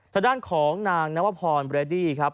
ทางด้านของนางนวพรเบรดี้ครับ